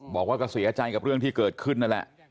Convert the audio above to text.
บอกว่าก็เสียใจกับเรื่องที่เกิดขึ้นนั่นแหละ